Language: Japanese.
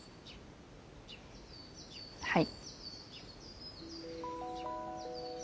はい。